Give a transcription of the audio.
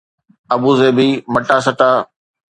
ابوظهبي مٽا سٽا